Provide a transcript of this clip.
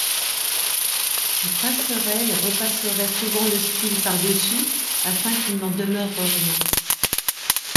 Je passerai et repasserai souvent le style par-dessus, afin qu'il n'en demeure rien.